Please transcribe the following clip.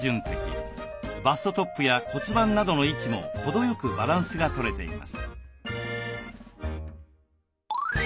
バストトップや骨盤などの位置も程よくバランスがとれています。